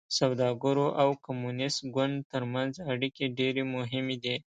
سوداګرو او کمونېست ګوند ترمنځ اړیکې ډېرې مهمې دي.